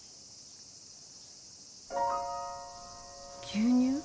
牛乳？